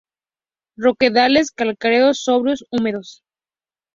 Roquedales calcáreos sombríos, húmedos.